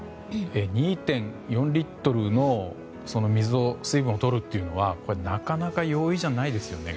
２．４リットルの水分をとるというのはなかなか容易じゃないですよね。